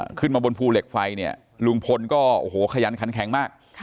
ขึ้นมาบนภูเหล็กไฟเนี่ยลุงพลก็โอ้โหขยันขันแข็งมาก